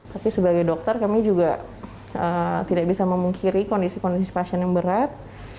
tapi sebagai dokter kami juga tidak bisa memungkiri kondisi kondisi pasien yang berat